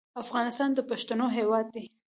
افغانستان د پښتنو هېواد دی.